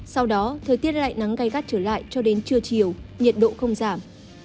sau đó thời tiết lại nắng gai gắt trở lại cho đến trưa chiều nhiệt độ không giảm